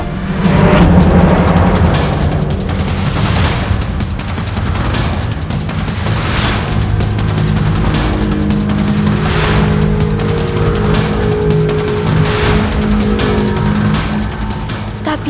untuk pelatihan debil